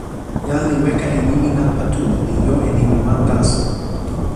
jan li weka e nimi nanpa tu, li jo e nimi wan taso.